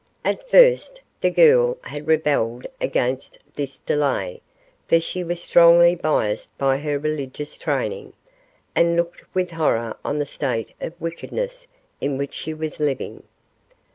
At first, the girl had rebelled against this delay, for she was strongly biased by her religious training, and looked with horror on the state of wickedness in which she was living.